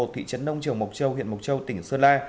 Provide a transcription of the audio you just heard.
thị trấn đông trường mộc châu huyện mộc châu tỉnh sơ la